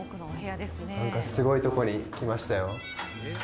何かすごいとこに来ましたよ